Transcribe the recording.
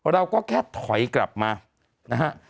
เราก็แค่ถอยกลับมานะฮะ